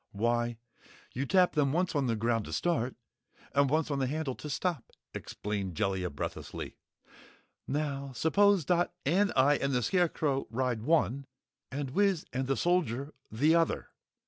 "Why, you tap them once on the ground to start, and once on the handle to stop," explained Jellia breathlessly! "Now, suppose Dot and I and the Scarecrow ride one, and Wiz and the Soldier, the other.